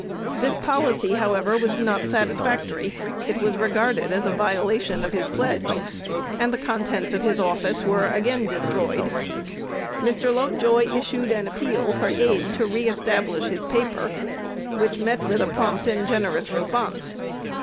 This policy, however, was not satisfactory: it was regarded as a violation of his pledge; and the contents of his office were again destroyed. Mr. Lovejoy issued an appeal for aid to re establish his paper, which met with a prompt and generous response.